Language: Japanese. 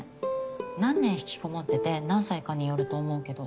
何年引きこもってて何歳かによると思うけど。